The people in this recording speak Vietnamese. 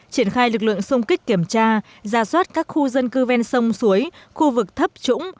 triển khai lực lượng xung kích kiểm tra ra soát các khu dân cư ven sông suối khu vực thấp trũng